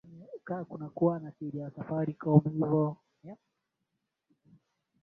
walibadilisha Mungu na Sheria ya Kirumi basi